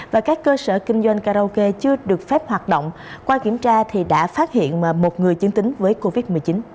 và các cơ sở kinh doanh karaoke chưa được phép hoạt động qua kiểm tra thì đã phát hiện một người dương tính với covid một mươi chín